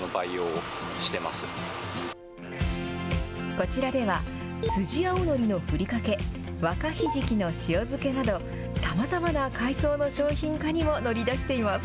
こちらでは、スジアオノリのふりかけ、若ひじきの塩漬けなど、さまざまな海藻の商品化にも乗り出しています。